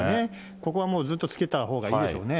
ここはもうずっとつけたほうがいいでしょうね。